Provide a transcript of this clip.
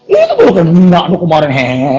itu baru kena tuh kemarin